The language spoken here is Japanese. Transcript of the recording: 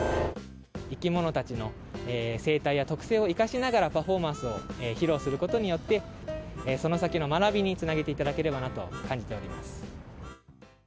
生き物たちの生態や特性を生かしながらパフォーマンスを披露することによって、その先の学びにつなげていただければなと感じております。